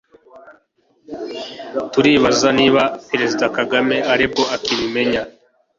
turibaza niba perezida kagame aribwo akibimenya